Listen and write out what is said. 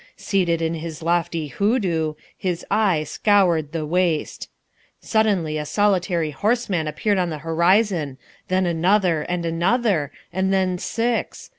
Seated in his lofty hoo doo, his eye scoured the waste. Suddenly a solitary horseman appeared on the horizon, then another, and another, and then six.